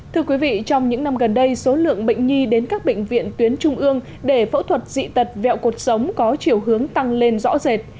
thưa quý vị trong những năm gần đây số lượng bệnh nhi đến các bệnh viện tuyến trung ương để phẫu thuật dị tật vẹo cuộc sống có chiều hướng tăng lên rõ rệt